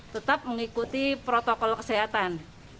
tetap mengikuti protokol kesehatan